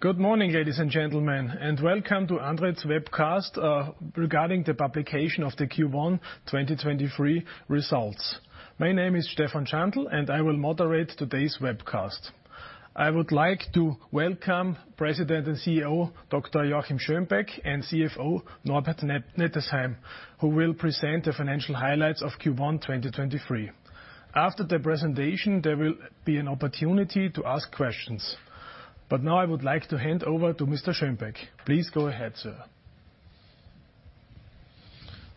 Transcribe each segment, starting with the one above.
Good morning, ladies and gentlemen, and welcome to ANDRITZ webcast, regarding the publication of the Q1 2023 results. My name is Stefan Schantl, I will moderate today's webcast. I would like to welcome President and CEO, Dr. Joachim Schönbeck, and CFO Norbert Nettesheim, who will present the financial highlights of Q1 2023. After the presentation, there will be an opportunity to ask questions. Now I would like to hand over to Mr. Schönbeck. Please go ahead, sir.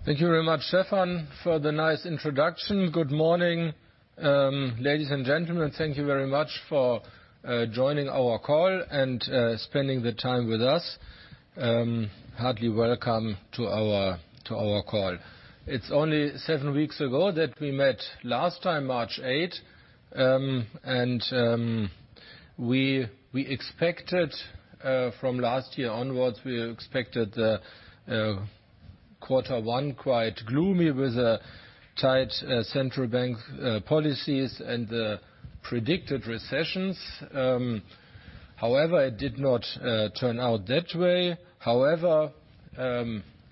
Thank you very much, Stefan, for the nice introduction. Good morning, ladies and gentlemen. Thank you very much for joining our call and spending the time with us. Hardly welcome to our call. It's only seven weeks ago that we met last time, March 8th. We expected from last year onwards, we expected the Q1 quite gloomy with the tight central bank policies and the predicted recessions. However, it did not turn out that way. However,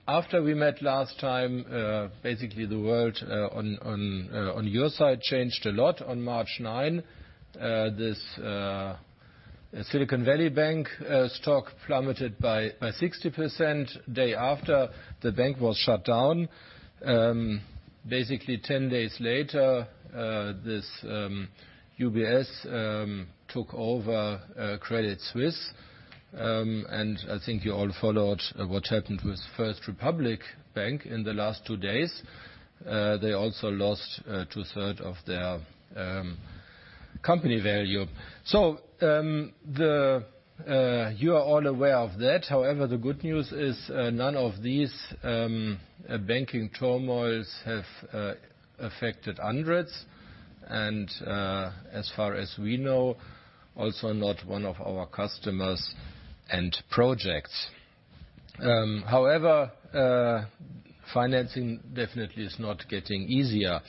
after we met last time, basically the world on your side changed a lot. On March 9, this Silicon Valley Bank stock plummeted by 60%. Day after, the bank was shut down. Basically 10 days later, this UBS took over Credit Suisse. I think you all followed what happened with First Republic Bank in the last 2 days. They also lost two-third of their company value. You are all aware of that. However, the good news is, none of these banking turmoils have affected ANDRITZ and, as far as we know, also not one of our customers and projects. However, financing definitely is not getting easier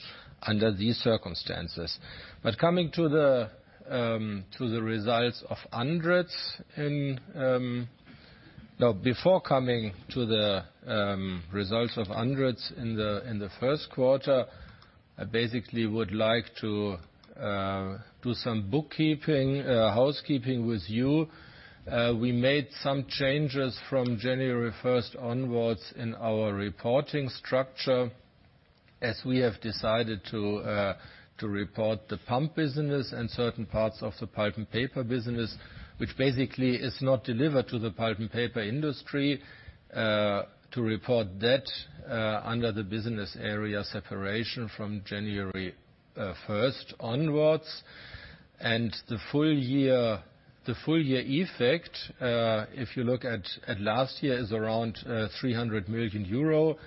under these circumstances. Before coming to the results of ANDRITZ in the, in the Q1, I basically would like to do some bookkeeping, housekeeping with you. We made some changes from January 1st onwards in our reporting structure as we have decided to report the pump business and certain parts of the Pulp & Paper business, which basically is not delivered to the Pulp & Paper industry, to report that under the business area Separation from January 1st onwards. The full year effect, if you look at last year, is around 300 million euro,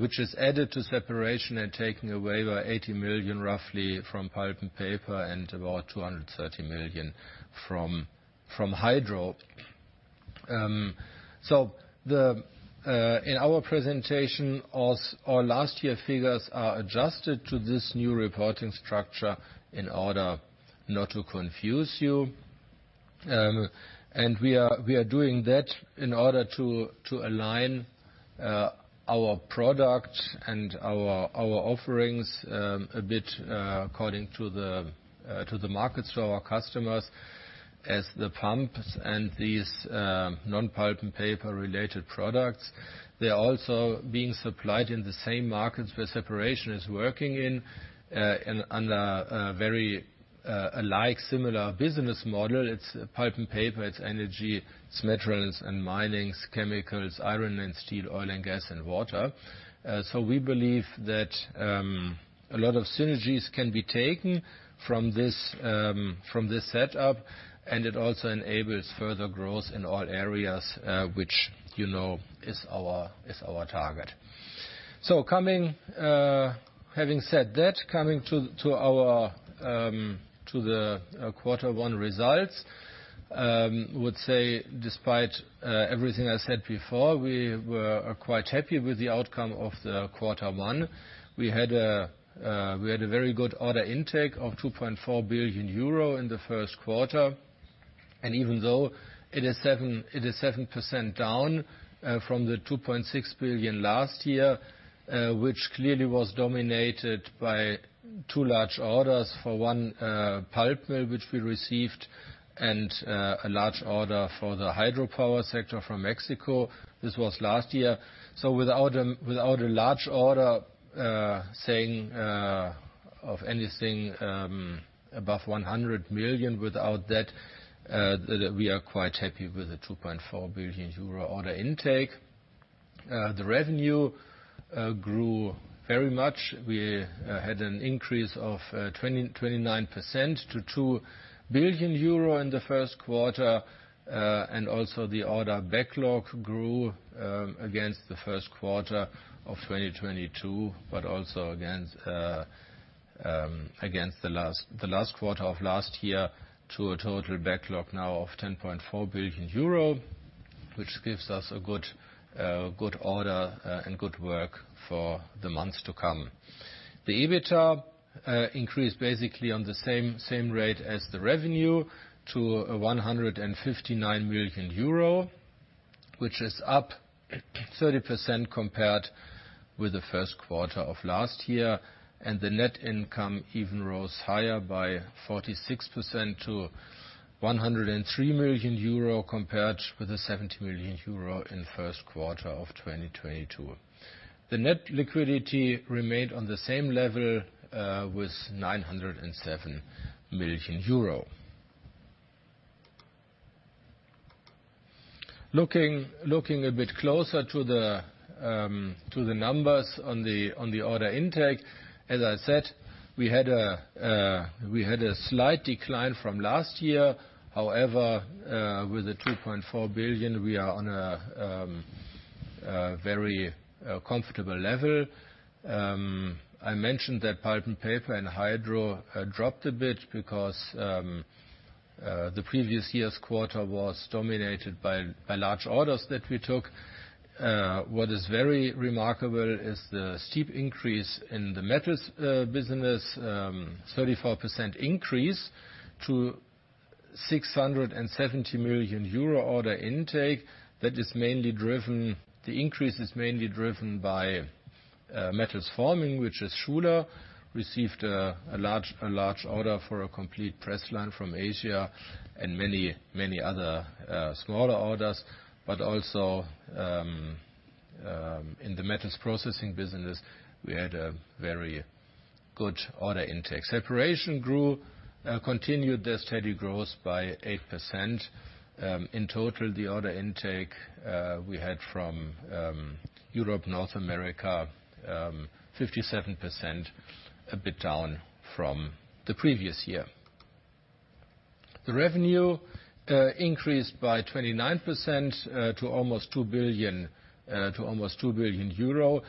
which is added to Separation and taking away the 80 million roughly from Pulp & Paper and about 230 million from Hydro. In our presentation, our last year figures are adjusted to this new reporting structure in order not to confuse you. We are doing that in order to align our product and our offerings a bit according to the markets for our customers as the pumps and these non-pulp and paper-related products. They're also being supplied in the same markets where Separation is working in and under a very alike similar business model. It's pulp and paper, it's energy, it's metals and minings, chemicals, iron and steel, oil and gas, and water. We believe that a lot of synergies can be taken from this from this setup, and it also enables further growth in all areas, which, you know, is our target. Coming, having said that, coming to our, to the Q1 results, I would say despite everything I said before, we are quite happy with the outcome of the Q1 We had a very good order intake of 2.4 billion euro in the Q1. Even though it is 7% down from the 2.6 billion last year, which clearly was dominated by two large orders for one pulp mill which we received and a large order for the hydropower sector from Mexico. This was last year. Without a large order, saying of anything above 100 million, without that, we are quite happy with the 2.4 billion euro order intake. The revenue grew very much. We had an increase of 29% to 2 billion euro in the Q1. Also the order backlog grew against the Q1 of 2022, but also against the last quarter of last year to a total backlog now of 10.4 billion euro. Which gives us a good order and good work for the months to come. The EBITDA increased basically on the same rate as the revenue to 159 million euro, which is up 30% compared with the Q1 of last year. The net income even rose higher by 46% to 103 million euro, compared with 70 million euro in QQ1 of 2022. The net liquidity remained on the same level, with 907 million euro. Looking a bit closer to the numbers on the order intake. As I said, we had a slight decline from last year. With 2.4 billion, we are on a very comfortable level. I mentioned that Pulp & Paper and Hydro dropped a bit because the previous year's quarter was dominated by large orders that we took. What is very remarkable is the steep increase in the Metals business. 34% increase to 670 million euro order intake. The increase is mainly driven by Metals forming, which is Schuler, received a large order for a complete press line from Asia and many, many other smaller orders. In the Metals processing business, we had a very good order intake. Separation grew, continued their steady growth by 8%. In total, the order intake we had from Europe, North America, 57%, a bit down from the previous year. The revenue increased by 29% to almost 2 billion euro,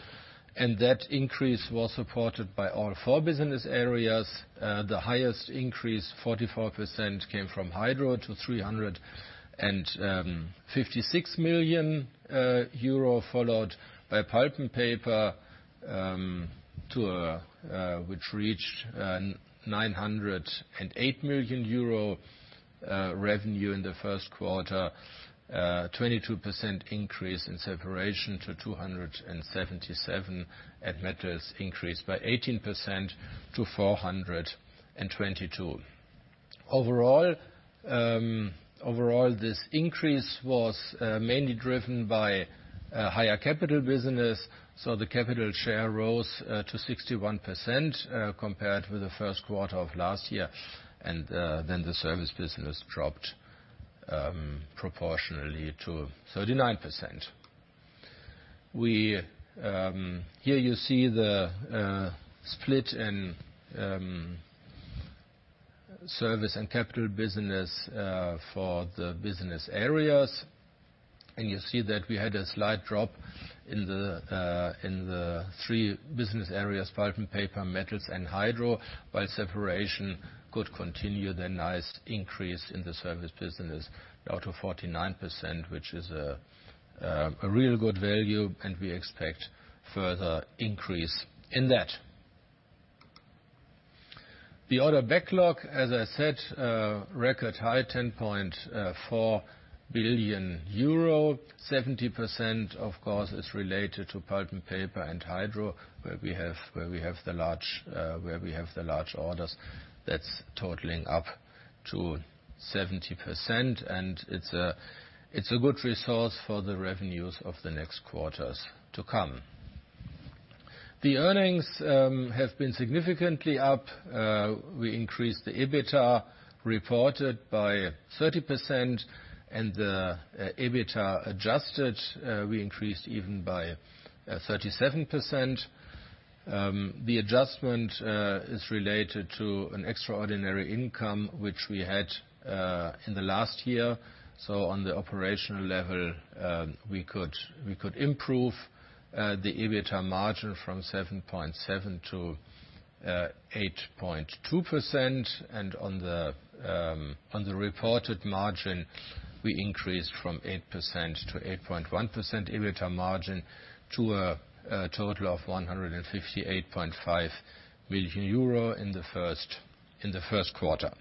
and that increase was supported by all four business areas. The highest increase, 44%, came from Hydro to 356 million euro, followed by Pulp & Paper to which reached 908 million euro revenue in the Q1. 22% increase in Separation to 277 million. At Metals, increased by 18% to 422 million. Overall, this increase was mainly driven by higher capital business. The capital share rose to 61% compared with the Q1 of last year. The service business dropped proportionally to 39%. Here you see the split in service and capital business for the business areas. You see that we had a slight drop in the three business areas, Pulp & Paper, Metals and Hydro. While Separation could continue the nice increase in the service business out to 49%, which is a real good value, and we expect further increase in that. The order backlog, as I said, record high 10.4 billion euro. 70%, of course, is related to Pulp & Paper and Hydro, where we have the large orders that's totalling up to 70%. It's a good resource for the revenues of the next quarters to come. The earnings have been significantly up. We increased the EBITDA reported by 30% and the EBITDA adjusted, we increased even by 37%. The adjustment is related to an extraordinary income which we had in the last year. On the operational level, we could improve the EBITDA margin from 7.7 to 8.2%. On the reported margin, we increased from 8% to 8.1% EBITDA margin to a total of 158.5 million euro in the Q1.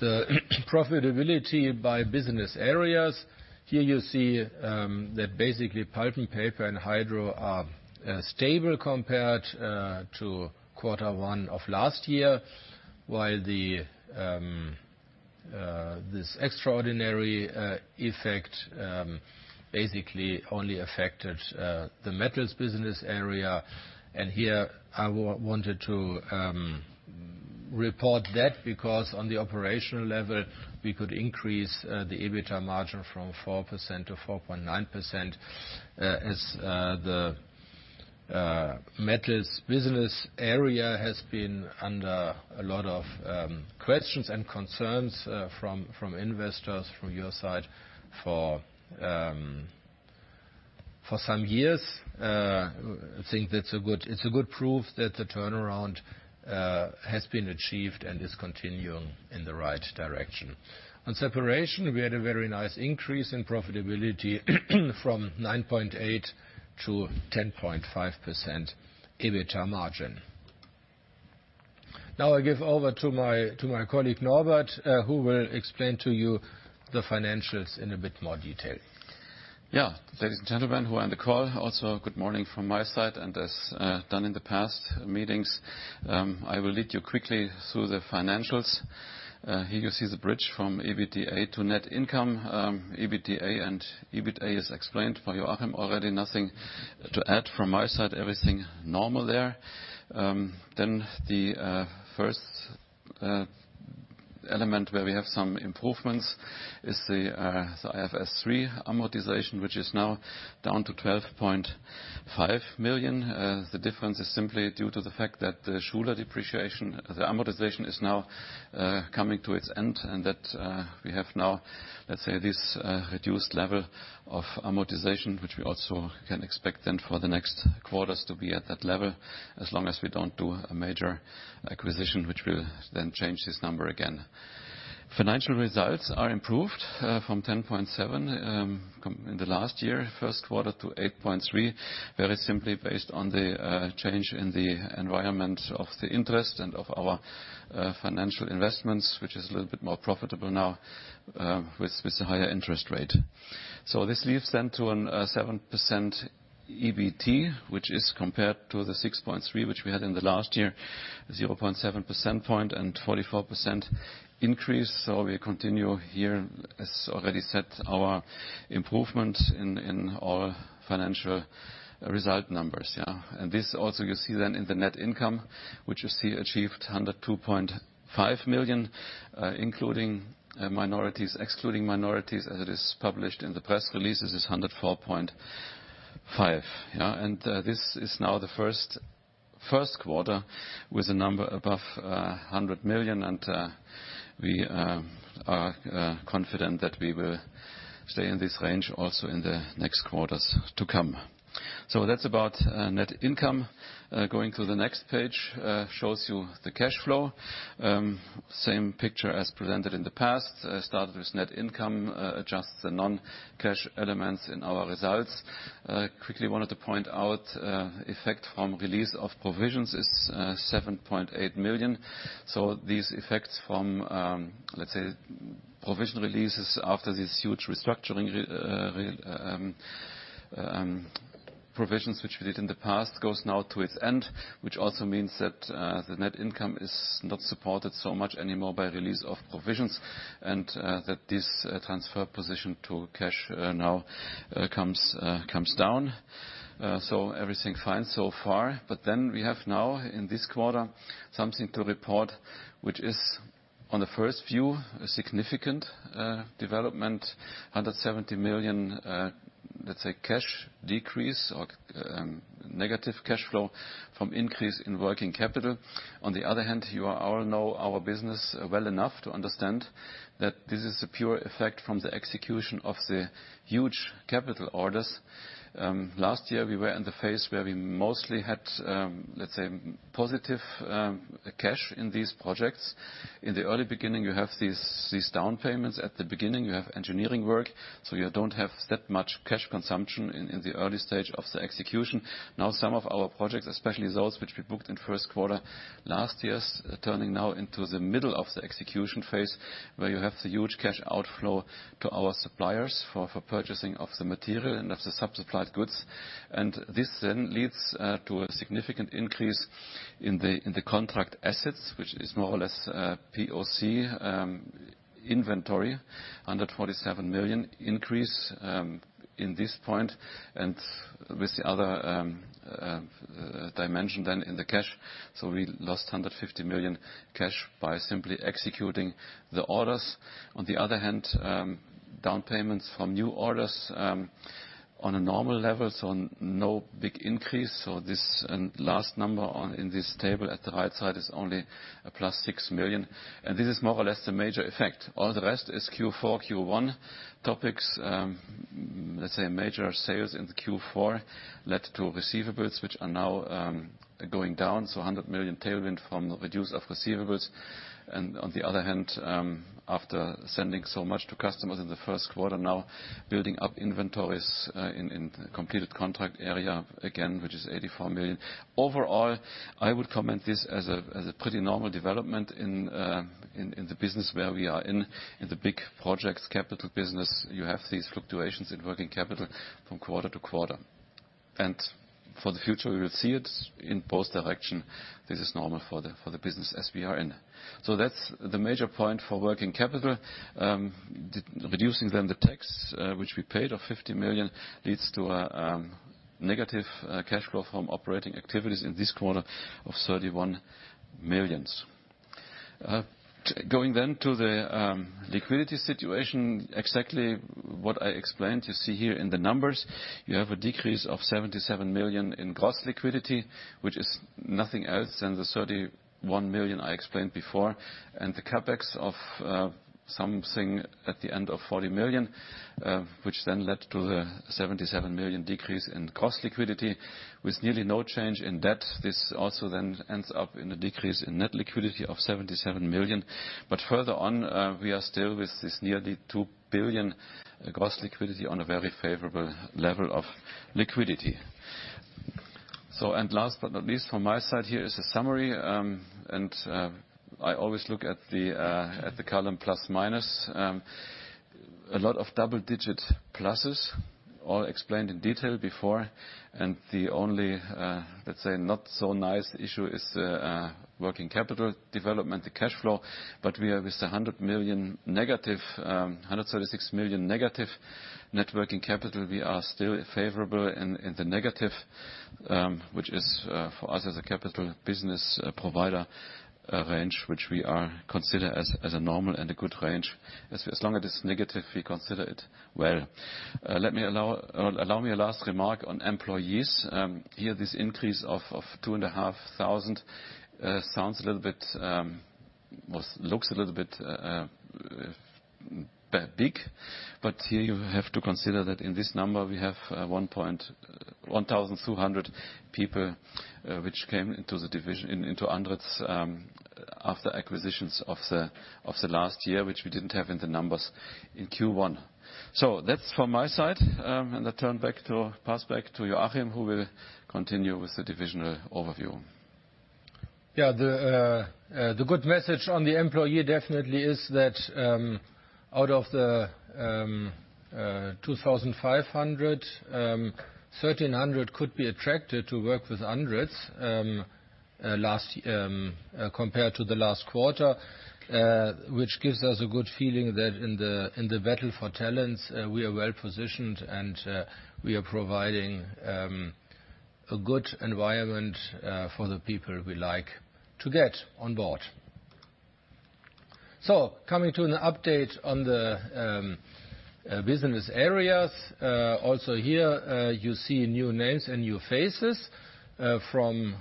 The profitability by business areas. Here you see that basically Pulp & Paper and Hydro are stable compared to Q1 of last year. While this extraordinary effect basically only affected the Metals business area. Here I wanted to report that because on the operational level, we could increase the EBITDA margin from 4% to 4.9%. As the Metals business area has been under a lot of questions and concerns from investors, from your side for some years, I think that's a good proof that the turnaround has been achieved and is continuing in the right direction. On Separation, we had a very nice increase in profitability from 9.8% to 10.5% EBITA margin. I give over to my colleague, Norbert, who will explain to you the financials in a bit more detail. Yeah. Ladies and gentlemen, who are on the call, also good morning from my side. As done in the past meetings, I will lead you quickly through the financials. Here you see the bridge from EBITDA to net income. EBITDA and EBITA is explained by Joachim already. Nothing to add from my side, everything normal there. The first element where we have some improvements is the IFRS 3 amortisation, which is now down to 12.5 million. The difference is simply due to the fact that the Schuler depreciation, the amortisation is now coming to its end and that we have now, let's say, this reduced level of amortisation. We also can expect then for the next quarters to be at that level as long as we don't do a major acquisition, which will then change this number again. Financial results are improved from 10.7 in the last year, Q1, to 8.3. Very simply based on the change in the environment of the interest and of our financial investments, which is a little bit more profitable now with the higher interest rate. This leaves then to an 7% EBT, which is compared to the 6.3% which we had in the last year, 0.7 percentage point and 44% increase. We continue here, as already said, our improvement in our financial result numbers. This also you see then in the net income, which you see achieved 102.5 million, including minorities. Excluding minorities, as it is published in the press releases, is 104.5 million, yeah. This is now the Q1 with a number above 100 million, and we are confident that we will stay in this range also in the next quarters to come. That's about net income. Going to the next page shows you the cash flow. Same picture as presented in the past. I started with net income, adjust the non-cash elements in our results. Quickly wanted to point out, effect from release of provisions is 7.8 million. These effects from, let's say, provision releases after this huge restructuring provisions which we did in the past, goes now to its end. Also means that the net income is not supported so much anymore by release of provisions, and that this transfer position to cash now comes down. Everything fine so far. We have now in this quarter something to report which is, on the first view, a significant development. 170 million, let's say, cash decrease or negative cash flow from increase in working capital. On the other hand, you all know our business well enough to understand that this is a pure effect from the execution of the huge capital orders. Last year we were in the phase where we mostly had, let's say, positive cash in these projects. In the early beginning, you have these down payments. At the beginning, you have engineering work, you don't have that much cash consumption in the early stage of the execution. Some of our projects, especially those which we booked in Q1 last year, turning now into the middle of the execution phase. Where you have the huge cash outflow to our suppliers for purchasing of the material and of the sub-supplied goods. This then leads to a significant increase in the contract assets, which is more or less POC inventory. 147 million increase in this point and with the other dimension then in the cash. We lost 150 million cash by simply executing the orders. On the other hand, down payments from new orders on a normal level, no big increase. This and last number on, in this table at the right side is only a +6 million, this is more or less the major effect. All the rest is Q4, Q1 topics. Let's say major sales in the Q4 led to receivables, which are now going down, a 100 million tailwind from the reduce of receivables. On the other hand, after sending so much to customers in the Q1, now building up inventories in the completed contract area again, which is 84 million. Overall, I would comment this as a pretty normal development in the business where we are in. In the big projects capital business, you have these fluctuations in working capital from quarter to quarter. For the future, we will see it in both direction. This is normal for the business as we are in. That's the major point for working capital. Reducing then the tax, which we paid of 50 million leads to a negative cash flow from operating activities in this quarter of 31 million. Going then to the liquidity situation. Exactly what I explained, you see here in the numbers. You have a decrease of 77 million in gross liquidity, which is nothing else than the 31 million I explained before. The CapEx of something at the end of 40 million, which then led to the 77 million decrease in cost liquidity with nearly no change in debt. This also then ends up in a decrease in net liquidity of 77 million. Further on, we are still with this nearly 2 billion gross liquidity on a very favourable level of liquidity. Last but not least, from my side here is a summary. I always look at the column plus/minus. A lot of double-digit pluses all explained in detail before. The only, let's say, not so nice issue is working capital development, the cash flow. We are with 100 million negative, 136 million negative net working capital. We are still favourable in the negative, which is for us as a capital business provider range, which we consider as a normal and a good range. As long as it's negative, we consider it well. Allow me a last remark on employees. Here this increase of 2 and a half thousand sounds a little bit. Well, looks a little bit big, but here you have to consider that in this number we have 1,200 people which came into ANDRITZ after acquisitions of the last year, which we didn't have in the numbers in Q1. That's from my side, and I pass back to Joachim, who will continue with the divisional overview. The good message on the employee definitely is that out of the 2,500, 1,300 could be attracted to work with ANDRITZ last compared to the last quarter, which gives us a good feeling that in the battle for talents, we are well positioned, and we are providing a good environment for the people we like to get on board. Coming to an update on the business areas. Also here, you see new names and new faces. From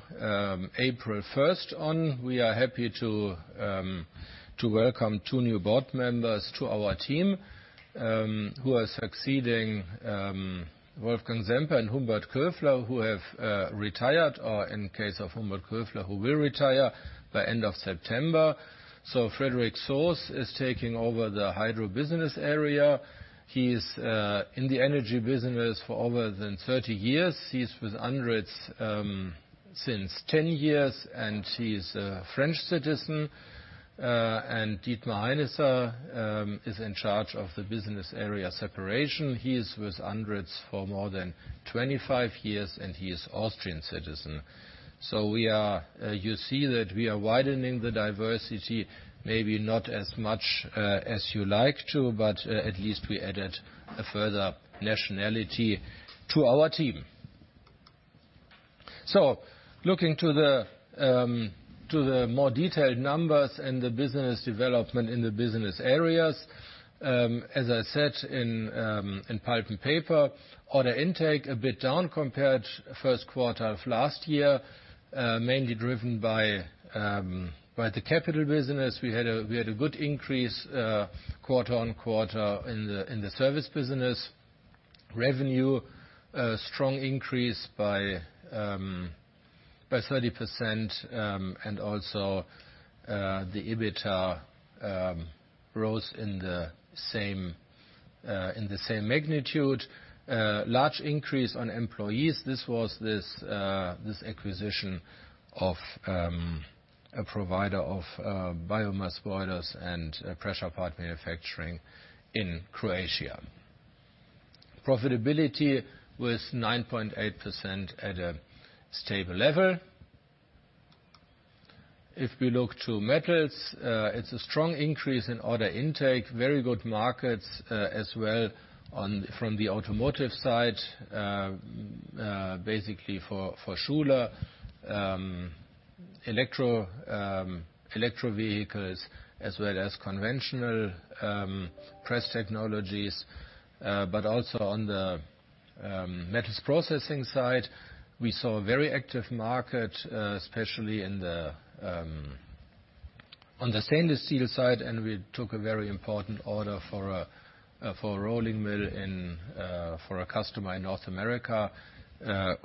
April 1st on, we are happy to welcome two new board members to our team, who are succeeding Wolfgang Semper and Humbert Köfler, who have retired, or in case of Humbert Köfler, who will retire by end of September. Frédéric Sauze is taking over the Hydro business area. He's in the energy business for over 30 years. He's with ANDRITZ since 10 years, and he's a French citizen. Dietmar Heinisser is in charge of the business area Separation. He is with ANDRITZ for more than 25 years, and he is Austrian citizen. You see that we are widening the diversity, maybe not as much as you like to, but at least we added a further nationality to our team. Looking to the more detailed numbers and the business development in the business areas. As I said, in Pulp & Paper, order intake a bit down compared Q1 of last year, mainly driven by the capital business. We had a good increase QoQ in the service business. Revenue, a strong increase by 30%, and also the EBITDA rose in the same magnitude. Large increase on employees. This was this acquisition of a provider of biomass boilers and pressure part manufacturing in Croatia. Profitability was 9.8% at a stable level. If we look to Metals, it's a strong increase in order intake. Very good markets as well from the automotive side, basically for Schuler, electro vehicles as well as conventional press technologies. Also on the metals processing side, we saw a very active market, especially on the stainless steel side, and we took a very important order for a rolling mill in for a customer in North America,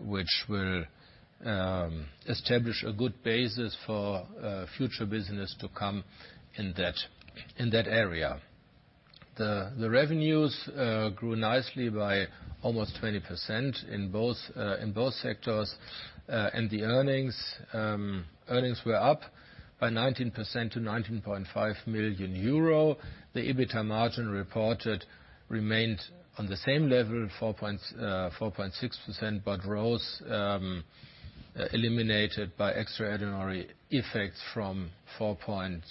which will establish a good basis for future business to come in that area. The revenues grew nicely by almost 20% in both sectors. The earnings were up by 19% to 19.5 million euro. The EBITDA margin reported remained on the same level, 4.6%, but rose, eliminated by extraordinary effects from 4.0%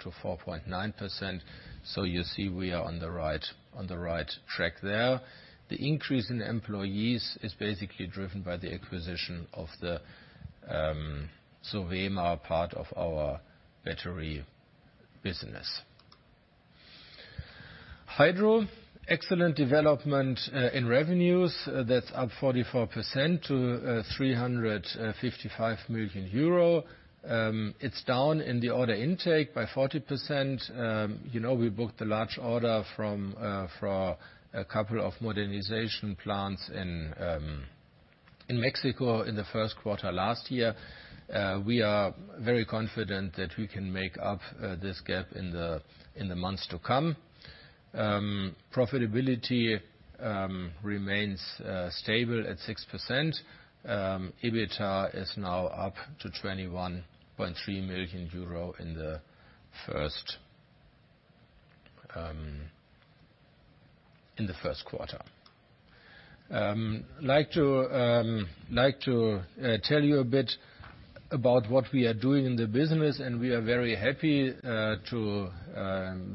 to 4.9%. You see we are on the right track there. The increase in employees is basically driven by the acquisition of the Sovema part of our battery business. Hydro, excellent development in revenues. That's up 44% to 355 million euro. It's down in the order intake by 40%. You know, we booked a large order from for a couple of modernisation plants in Mexico in the Q1 last year. We are very confident that we can make up this gap in the months to come. Profitability remains stable at 6%. EBITA is now up to 21.3 million euro in the Q1. like to tell you a bit about what we are doing in the business, we are very happy to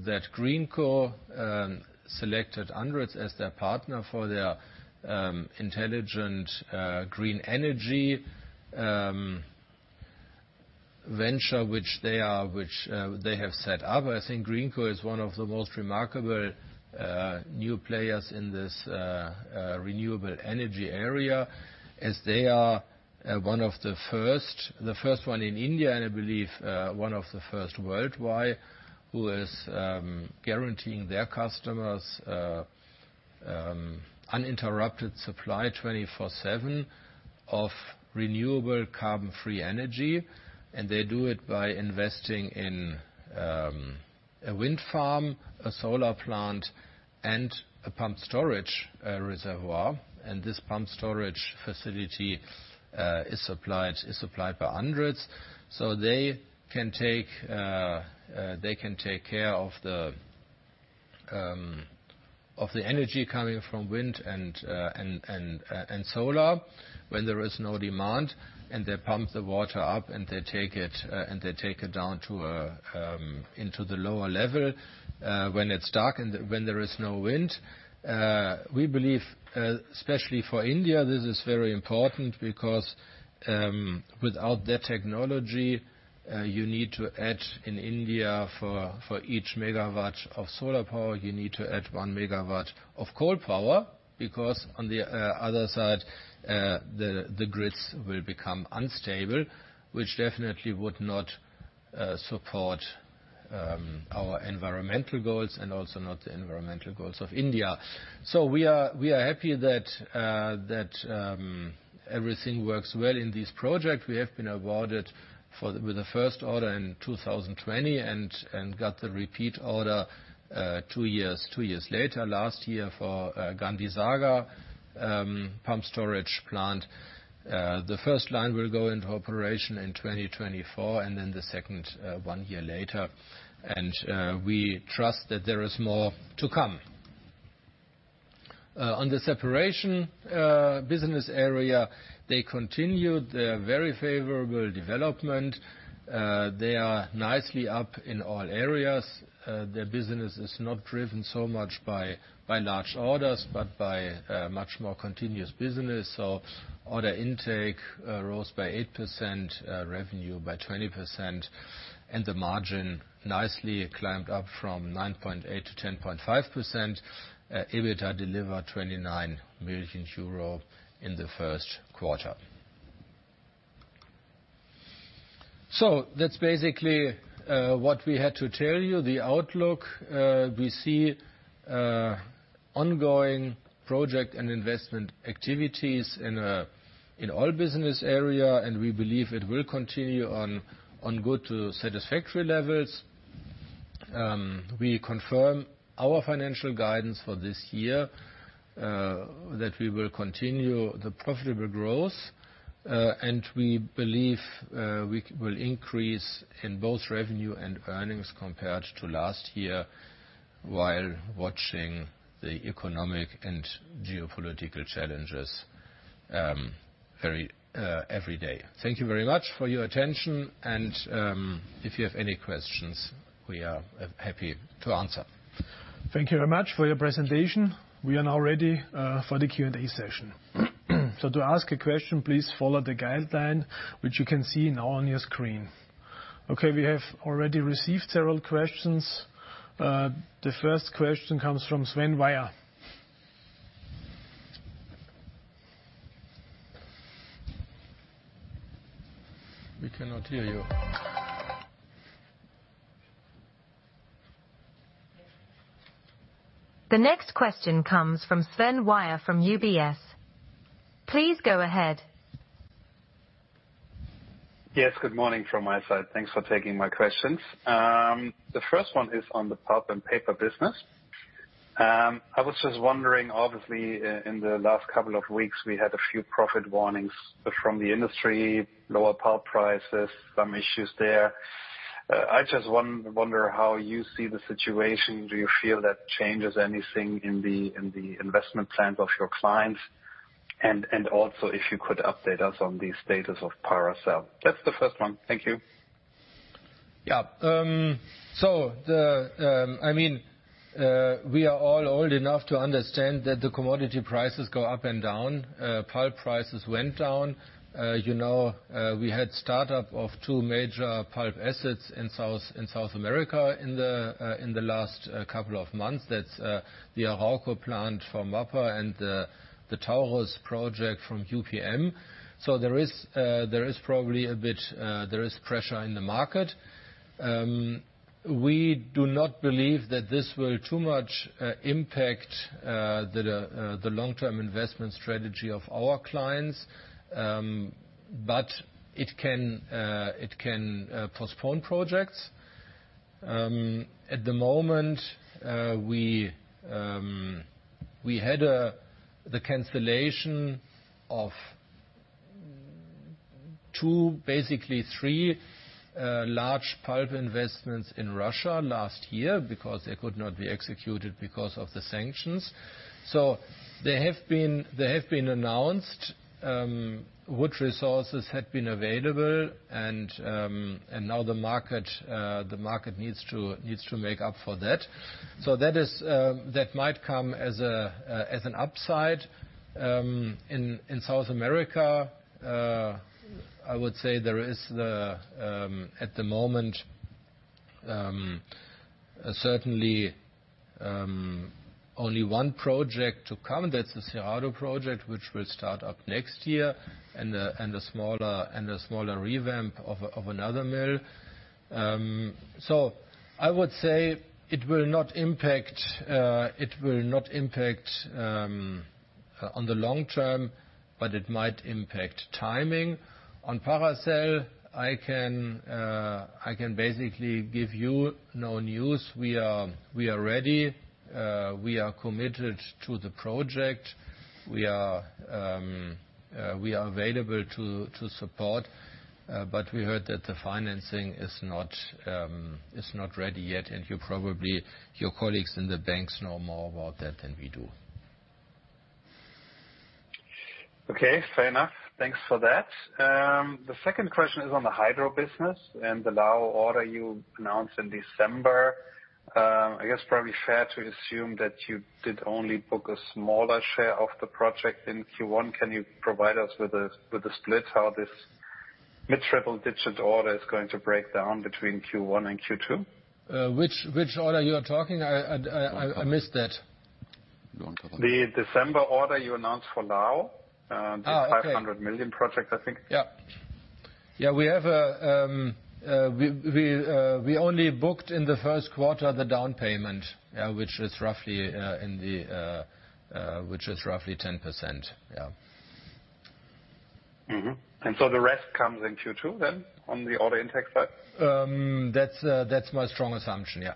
that Greenko selected ANDRITZ as their partner for their intelligent green energy venture, which they have set up. I think Greenko is one of the most remarkable new players in this renewable energy area, as they are one of the first, the first one in India, and I believe one of the first worldwide, who is guaranteeing their customers uninterrupted supply 24/7 of renewable carbon-free energy. They do it by investing in a wind farm, a solar plant, and a pump storage reservoir. This pump storage facility is supplied by ANDRITZ, so they can take care of the energy coming from wind and solar when there is no demand. They pump the water up, and they take it down to into the lower level when it's dark and when there is no wind. We believe especially for India, this is very important because without their technology, you need to add in India for each megawatt of solar power, you need to add 1 megawatt of coal power because on the other side, the grids will become unstable, which definitely would not support our environmental goals and also not the environmental goals of India. We are happy that everything works well in this project. We have been awarded with the first order in 2020 and got the repeat order two years later last year for Gandhi Sagar pump storage plant. The first line will go into operation in 2024 and then the second one year later. We trust that there is more to come. On the Separation business area, they continued their very favourable development. They are nicely up in all areas. Their business is not driven so much by large orders, but by much more continuous business. Order intake rose by 8%, revenue by 20%, and the margin nicely climbed up from 9.8 to 10.5%. EBITA delivered EUR 29 million in the Q1. That's basically what we had to tell you. The outlook, we see ongoing project and investment activities in all business area, and we believe it will continue on good to satisfactory levels. We confirm our financial guidance for this year, that we will continue the profitable growth. We believe, we will increase in both revenue and earnings compared to last year while watching the economic and geopolitical challenges very every day. Thank you very much for your attention. If you have any questions, we are happy to answer. Thank you very much for your presentation. We are now ready for the Q&A session. To ask a question, please follow the guideline which you can see now on your screen. Okay, we have already received several questions. The first question comes from Sven Weier. We cannot hear you. The next question comes from Sven Weier from UBS. Please go ahead. Yes. Good morning from my side. Thanks for taking my questions. The first one is on the Pulp & Paper business. I was just wondering, obviously, in the last couple of weeks, we had a few profit warnings from the industry, lower pulp prices, some issues there. I just wonder how you see the situation. Do you feel that changes anything in the, in the investment plans of your clients? Also if you could update us on the status of Paracel. That's the first one. Thank you. Yeah. I mean, I'm old enough to understand that the commodity prices go up and down. Pulp prices went down. You know, we had startup of two major pulp assets in South America in the last couple of months. That's the Arauco plant from MAPA and the Taurus project from UPM. There is probably a bit, there is pressure in the market. We do not believe that this will too much impact the long-term investment strategy of our clients. It can postpone projects. At the moment, we had the cancellation of 2, basically 3, large pulp investments in Russia last year because they could not be executed because of the sanctions. They have been, they have been announced, which resources had been available, and now the market needs to make up for that. That is, that might come as an upside. In South America, I would say there is the at the moment certainly only 1 project to come, that's the Cerrado project, which will start up next year, and a smaller revamp of another mill. I would say it will not impact on the long term, but it might impact timing. On Paracel, I can basically give you no news. We are ready. We are committed to the project. We are available to support. We heard that the financing is not ready yet. You probably, your colleagues in the banks know more about that than we do. Okay, fair enough. Thanks for that. The second question is on the Hydro business and the Lao order you announced in December. I guess probably fair to assume that you did only book a smaller share of the project in Q1. Can you provide us with the split how this mid-triple digit order is going to break down between Q1 and Q2? Which order you are talking? I missed that. The December order you announced for Lao. Oh, okay. The 500 million project, I think. Yeah. Yeah, we have a, we only booked in the Q1 the down payment, which is roughly 10%. Yeah. Mm-hmm. The rest comes in Q2 then on the order intake side? That's my strong assumption, yeah.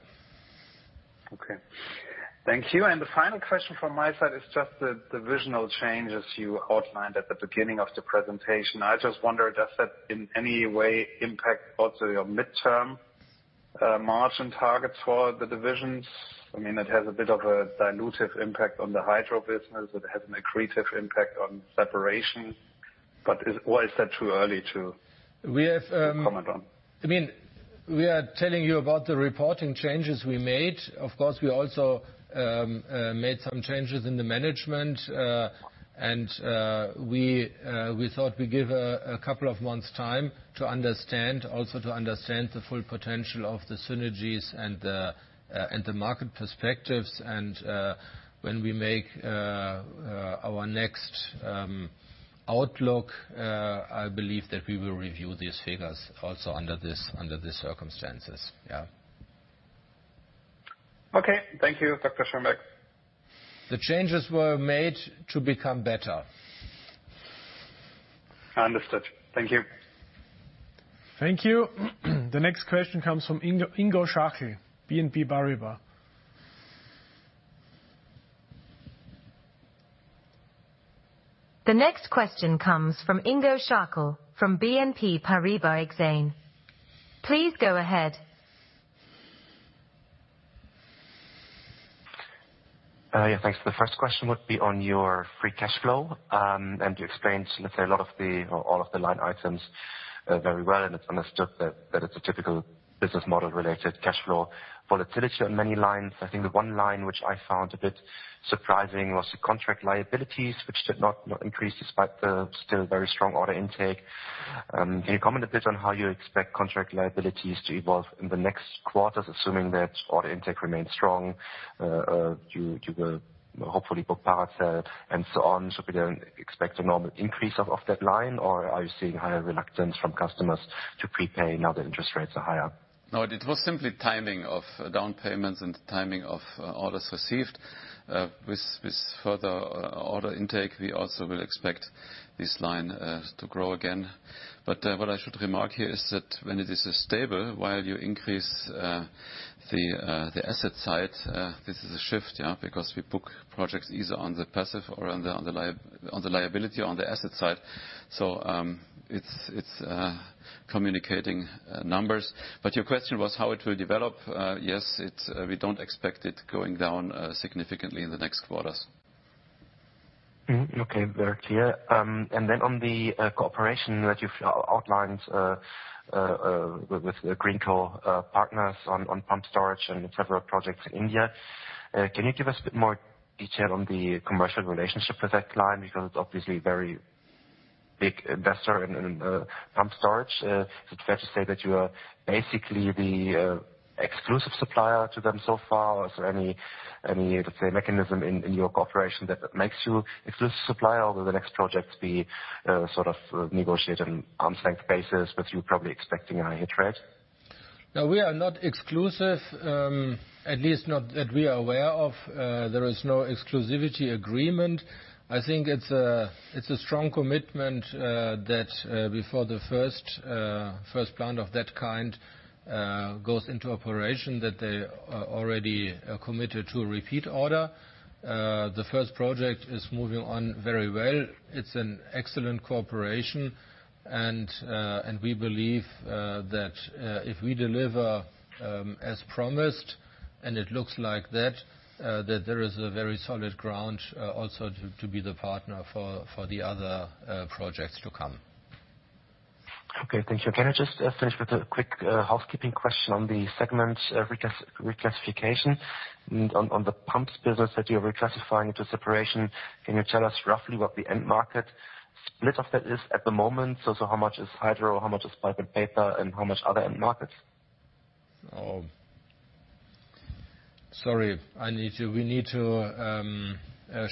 Okay. Thank you. The final question from my side is just the divisional changes you outlined at the beginning of the presentation. I just wonder, does that in any way impact also your midterm margin targets for the divisions? I mean, it has a bit of a dilutive impact on the Hydro business. It has an accretive impact on Separation. Is that too early to... We have. to comment on? I mean, we are telling you about the reporting changes we made. Of course, we also made some changes in the management. We thought we give a couple of months' time to understand, also to understand the full potential of the synergies and the market perspectives. When we make our next outlook, I believe that we will review these figures also under this, under these circumstances. Yeah. Okay. Thank you, Dr. Schönbeck. The changes were made to become better. Understood. Thank you. Thank you. The next question comes from Ingo Schachel, BNP Paribas. The next question comes from Ingo Schachel from BNP Paribas Exane. Please go ahead. Yeah, thanks. The first question would be on your free cash flow, and you explained, let's say, a lot of the or all of the line items, very well, and it's understood that it's a typical business model related cash flow volatility on many lines. I think the one line which I found a bit surprising was the contract liabilities, which did not increase despite the still very strong order intake. Can you comment a bit on how you expect contract liabilities to evolve in the next quarters, assuming that order intake remains strong, you will hopefully book Paracel and so on? We don't expect a normal increase of that line, or are you seeing higher reluctance from customers to prepay now that interest rates are higher? No, it was simply timing of down payments and timing of orders received. With further order intake, we also will expect this line to grow again. What I should remark here is that when it is stable, while you increase the asset side, this is a shift, yeah, because we book projects either on the passive or on the liability or on the asset side. It's communicating numbers. Your question was how it will develop. Yes, we don't expect it going down significantly in the next quarters. Okay, very clear. On the cooperation that you've outlined with Greenko partners on pump storage and several projects in India. Can you give us a bit more detail on the commercial relationship with that client? It's obviously a very big investor in pump storage. Is it fair to say that you are basically the exclusive supplier to them so far? Is there any, let's say, mechanism in your cooperation that makes you exclusive supplier or will the next projects be sort of negotiated on an arm's length basis, with you probably expecting a higher hit rate? No, we are not exclusive. At least not that we are aware of. There is no exclusivity agreement. I think it's a strong commitment that before the first plant of that kind goes into operation, they are already committed to a repeat order. The first project is moving on very well. It's an excellent cooperation. We believe that if we deliver as promised, and it looks like that, there is a very solid ground also to be the partner for the other projects to come. Okay, thank you. Can I just finish with a quick housekeeping question on the segment reclassification? On the pumps business that you're reclassifying to Separation, can you tell us roughly what the end market split of that is at the moment? How much is Hydro, how much is Pulp & Paper, and how much other end markets? We need to.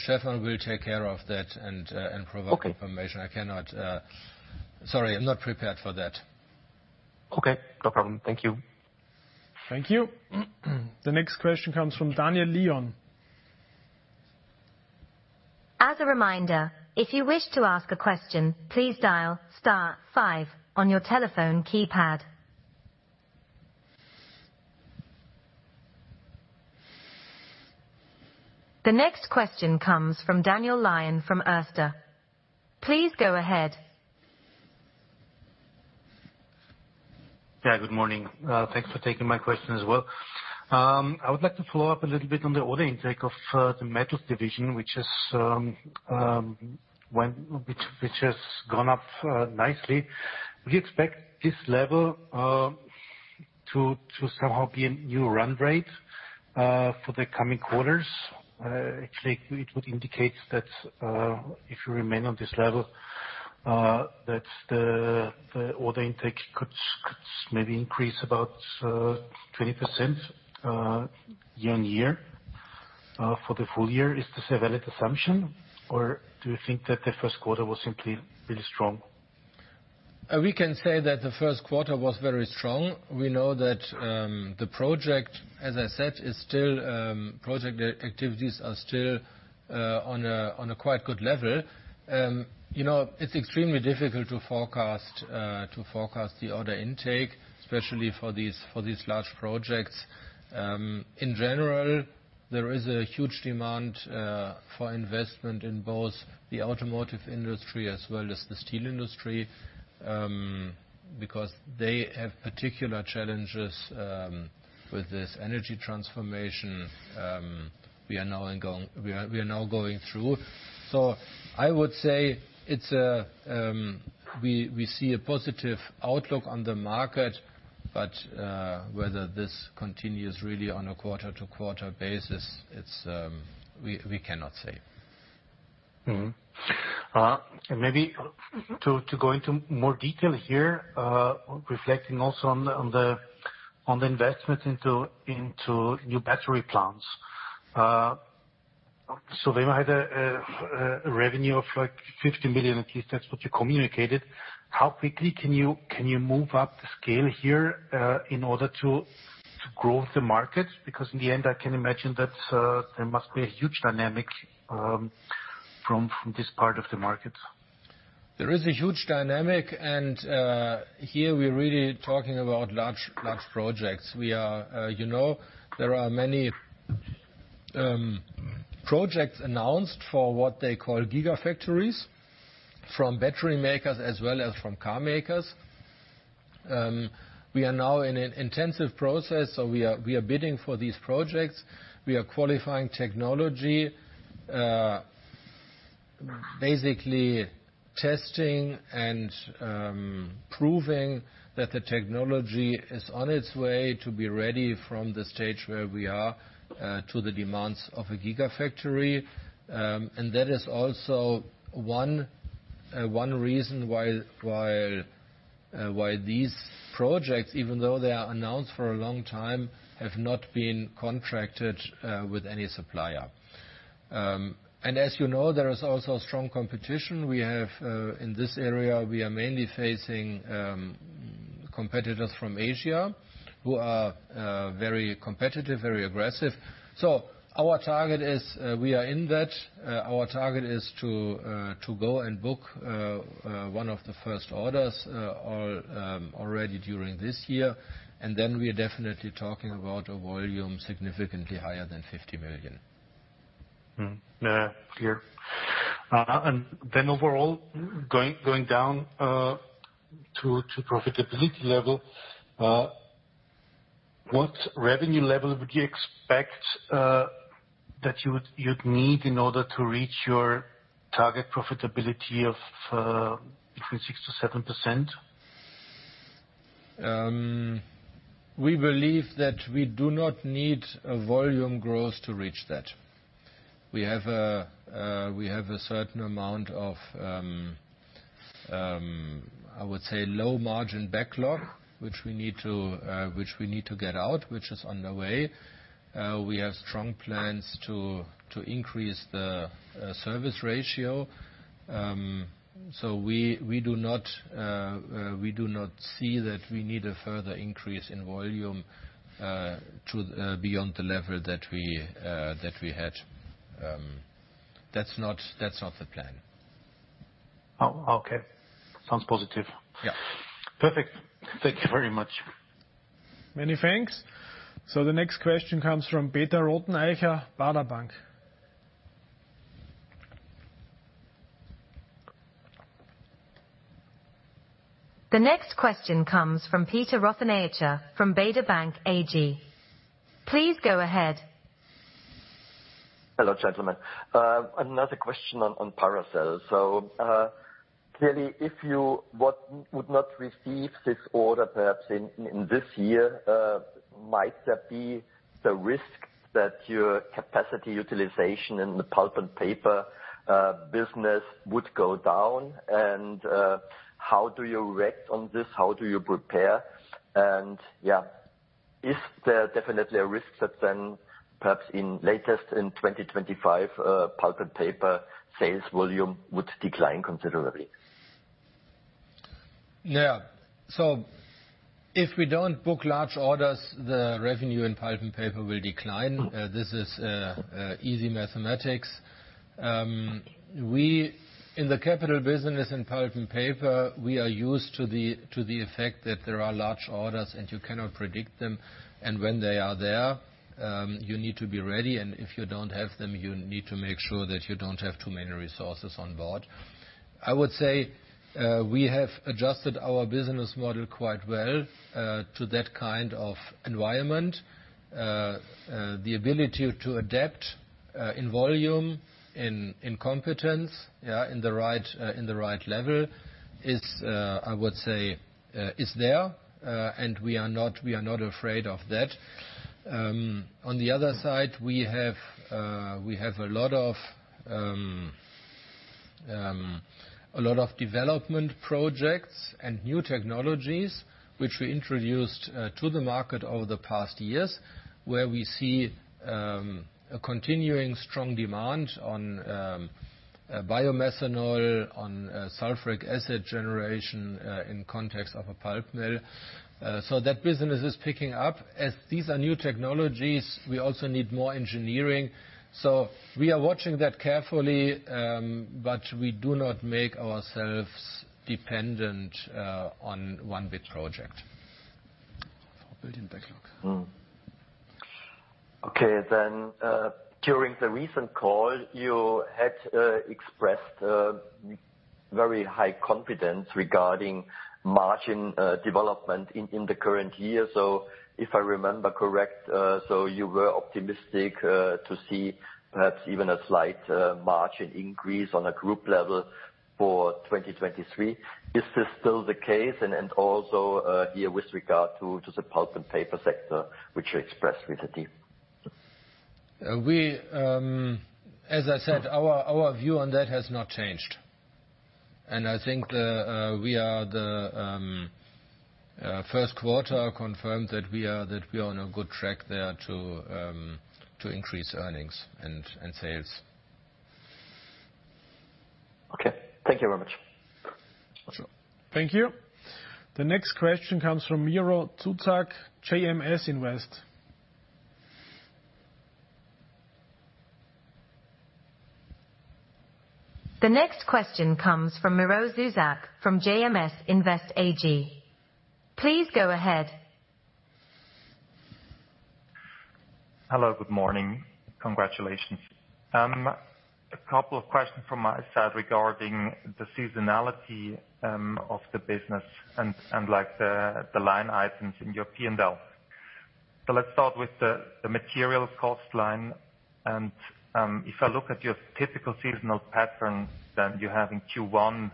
Stefan will take care of that and provide information. Okay. I cannot. Sorry, I'm not prepared for that. Okay, no problem. Thank you. Thank you. The next question comes from Daniel Lion. As a reminder, if you wish to ask a question, please dial star five on your telephone keypad. The next question comes from Daniel Lion, from Erste. Please go ahead. Yeah, good morning. Thanks for taking my question as well. I would like to follow up a little bit on the order intake of the Metals division, which has gone up nicely. Do you expect this level to somehow be a new run rate for the coming quarters? Actually it would indicate that if you remain on this level, that the order intake could maybe increase about 20% year-on-year for the full year. Is this a valid assumption, or do you think that the Q1 was simply really strong? We can say that the Q1 was very strong. We know that the project, as I said, is still project activities are still on a quite good level. You know, it's extremely difficult to forecast the order intake, especially for these large projects. In general, there is a huge demand for investment in both the automotive industry as well as the steel industry, because they have particular challenges with this energy transformation we are now going through. We see a positive outlook on the market, but whether this continues really on a quarter to quarter basis, it's we cannot say. Maybe to go into more detail here, reflecting also on the investment into new battery plants. We might have a revenue of, like, 50 million, at least that's what you communicated. How quickly can you move up the scale here in order to grow the market? In the end, I can imagine that there must be a huge dynamic from this part of the market. There is a huge dynamic, and here we're really talking about large projects. We are, you know, there are many projects announced for what they call gigafactories from battery makers as well as from car makers. We are now in an intensive process, so we are bidding for these projects. We are qualifying technology, basically testing and proving that the technology is on its way to be ready from the stage where we are to the demands of a gigafactory. That is also one reason why these projects, even though they are announced for a long time, have not been contracted with any supplier. As you know, there is also strong competition. We have, in this area, we are mainly facing competitors from Asia who are very competitive, very aggressive. Our target is, we are in that. Our target is to go and book one of the first orders already during this year. Then we are definitely talking about a volume significantly higher than 50 million. Yeah. Clear. Overall going down to profitability level. What revenue level would you expect, that you'd need in order to reach your target profitability of, between 6% to 7%? We believe that we do not need a volume growth to reach that. We have a certain amount of, I would say low margin backlog, which we need to get out, which is on the way. We have strong plans to increase the service ratio. We do not see that we need a further increase in volume to beyond the level that we had. That's not the plan. Oh, okay. Sounds positive. Yeah. Perfect. Thank you very much. Many thanks. The next question comes from Peter Rothenaicher, Baader Bank. The next question comes from Peter Rothenaicher from Baader Bank AG. Please go ahead. Hello, gentlemen. Another question on Paracel. Clearly, if you would not receive this order perhaps in this year, might there be the risk that your capacity utilisation in the Pulp & Paper business would go down? How do you react on this? How do you prepare? Is there definitely a risk that then perhaps in latest in 2025, Pulp & Paper sales volume would decline considerably? Yeah. If we don't book large orders, the revenue in Pulp & Paper will decline. Mm-hmm. This is easy mathematics. In the capital business in pulp and paper, we are used to the effect that there are large orders and you cannot predict them. When they are there, you need to be ready. If you don't have them, you need to make sure that you don't have too many resources on board. I would say, we have adjusted our business model quite well to that kind of environment. The ability to adapt in volume, in competence, yeah, in the right, in the right level is, I would say, is there, and we are not afraid of that. On the other side, we have a lot of development projects and new technologies which we introduced to the market over the past years, where we see a continuing strong demand on biomethanol, on sulfuric acid generation in context of a pulp mill. That business is picking up. As these are new technologies, we also need more engineering. We are watching that carefully, but we do not make ourselves dependent on one big project. Building backlog. Mm-hmm. Okay. During the recent call, you had expressed very high confidence regarding margin development in the current year. If I remember correct, so you were optimistic to see perhaps even a slight margin increase on a group level for 2023. Is this still the case? And also, here with regard to the Pulp & Paper sector, which you expressed with the team. We, as I said, our view on that has not changed. I think the, we are the, Q1 confirmed that we are on a good track there to increase earnings and sales. Okay. Thank you very much. Sure. Thank you. The next question comes from Miro Zuzak, JMS Invest. The next question comes from Miro Zuzak from JMS Invest AG. Please go ahead. Hello, good morning. Congratulations. A couple of questions from my side regarding the seasonality of the business and the line items in your P&L. Let's start with the material cost line. If I look at your typical seasonal pattern, then you have in Q1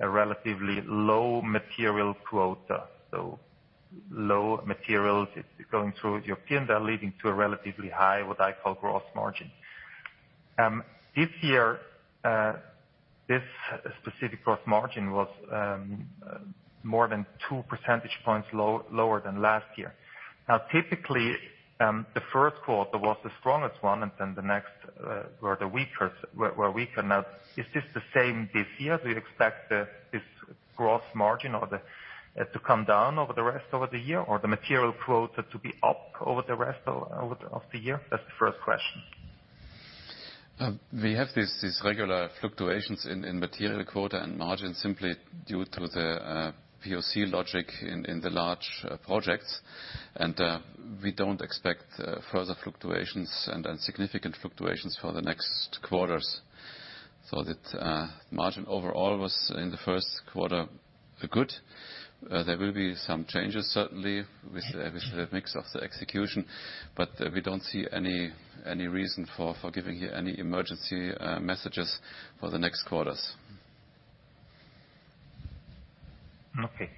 a relatively low material quota. Low materials going through your P&L leading to a relatively high, what I call gross margin. This year, this specific gross margin was more than two percentage points lower than last year. Typically, the Q1 was the strongest one, and then the next were the weakest. We're weak. Is this the same this year? Do you expect this gross margin or to come down over the rest of the year or the material quota to be up over the rest of the year? That's the first question. we have these regular fluctuations in material quota and margin simply due to the POC logic in the large projects. We don't expect further fluctuations and significant fluctuations for the next quarters. That margin overall was in the Q1 good. There will be some changes certainly with the mix of the execution. We don't see any reason for giving you any emergency messages for the next quarters. Okay.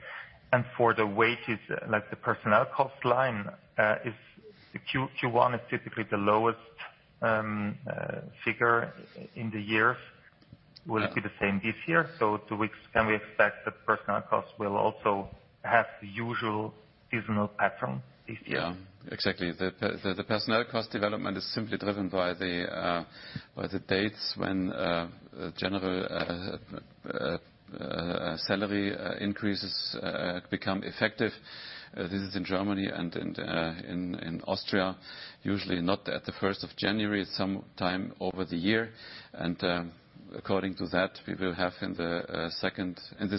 For the wages, like, the personnel cost line, Q1 is typically the lowest figure in the years. Will it be the same this year? To which can we expect the personnel costs will also have the usual seasonal pattern this year? Yeah, exactly. The personnel cost development is simply driven by the dates when general salary increases become effective. This is in Germany and in Austria, usually not at the first of January, some time over the year. According to that, we will have in the Q3 and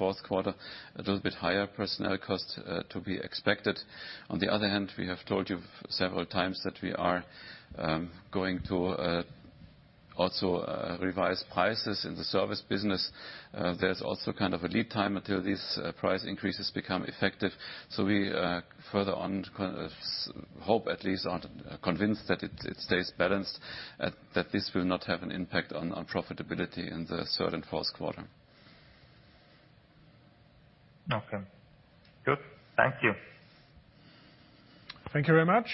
Q4, a little bit higher personnel cost to be expected. On the other hand, we have told you several times that we are going to also revise prices in the service business. There's also kind of a lead time until these price increases become effective. We further on hope at least are convinced that it stays balanced, that this will not have an impact on profitability in the Q3 and Q4. Okay. Good. Thank you. Thank you very much.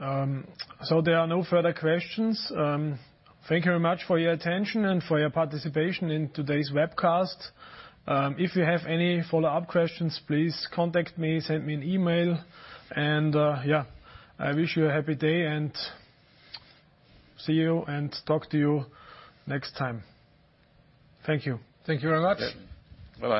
There are no further questions. Thank you very much for your attention and for your participation in today's webcast. If you have any follow-up questions, please contact me, send me an email. I wish you a happy day and see you and talk to you next time. Thank you. Thank you very much. Yep. Bye-bye.